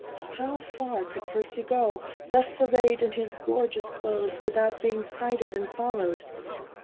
How far could Percy go, thus arrayed in his gorgeous clothes, without being sighted and followed?